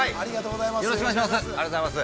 ◆よろしくお願いします。